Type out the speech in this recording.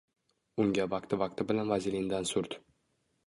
Unga vaqti-vaqti bilan vazelindan surt